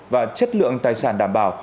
và chất lượng tài sản đảm bảo